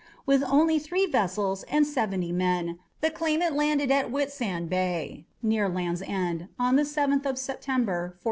With only three vessels and seventy men the claimant landed at Whitsand Bay, near Land's End, on the 7th September, 1497.